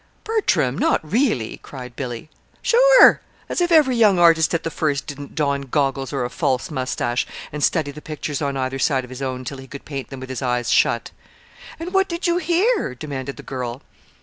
"Bertram, not really?" cried Billy. "Sure! As if every young artist at the first didn't don goggles or a false mustache and study the pictures on either side of his own till he could paint them with his eyes shut!" "And what did you hear?" demanded the girl.